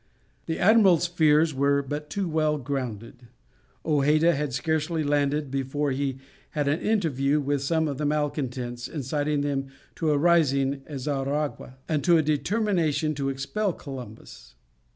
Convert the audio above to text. The admiral's fears were but too well grounded; Hojeda had scarcely landed before he had an interview with some of the malcontents, inciting them to a rising at Xaragua, and to a determination to expel Columbus.